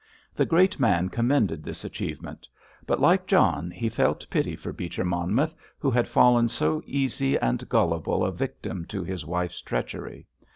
The great man commended this achievement. But, like John, he felt pity for Beecher Monmouth, who had fallen so easy and gullible a victim to his wife's treachery.